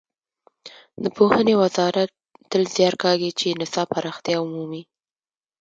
د پوهنې وزارت تل زیار کاږي چې نصاب پراختیا ومومي.